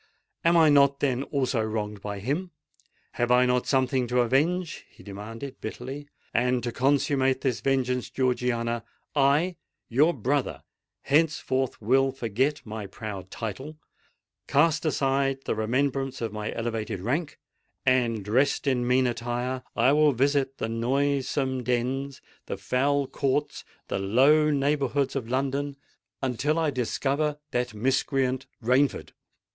Am I not, then, also wronged by him? Have I not something to avenge?" he demanded bitterly. "And to consummate this vengeance, Georgiana, I—your brother henceforth—will forget my proud title—cast aside the remembrance of my elevated rank;—and, dressed in mean attire, I will visit the noisome dens—the foul courts—the low neighbourhoods of London, until I discover that miscreant Rainford.